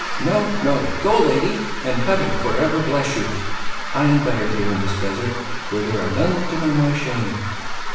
No, no; go, lady, and Heaven for ever bless you! I am better here, in this desert, where there are none to know my shame."